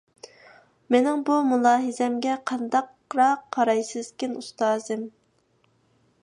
مېنىڭ بۇ مۇلاھىزەمگە قانداقراق قارايسىزكىن، ئۇستازىم؟